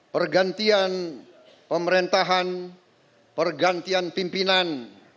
pergantian pemerintahan pergantian pimpinan